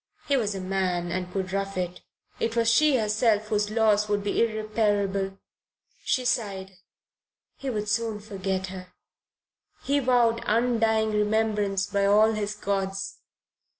He was a man and could rough it. It was she herself whose loss would be irreparable. She sighed; he would soon forget her. He vowed undying remembrance by all his gods.